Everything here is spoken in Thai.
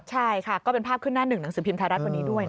ใช่ค่ะก็เป็นภาพขึ้นหน้าหนึ่งหนังสือพิมพ์ไทยรัฐวันนี้ด้วย